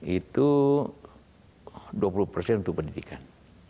itu dua puluh persen untuk pendidikan